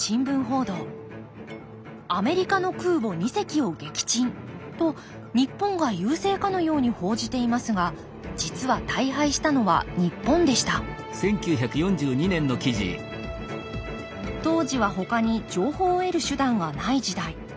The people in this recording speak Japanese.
「アメリカの空母二隻を撃沈」と日本が優勢かのように報じていますが実は大敗したのは日本でした当時はほかに情報を得る手段がない時代。